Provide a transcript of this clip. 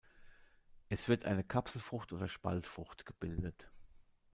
Es wird eine Kapselfrucht oder Spaltfrucht gebildet.